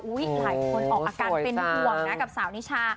หลายคนออกอาการเป็นห่วงนะกับสาวนิชา